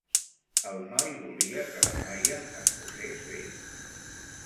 El noi volia que la noia es posés bé.